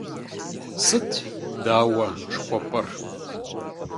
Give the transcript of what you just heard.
Сыт дауэ жыхуэпӏэр?